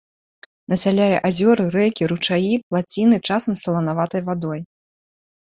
Насяляе азёры, рэкі, ручаі, плаціны часам з саланаватай вадой.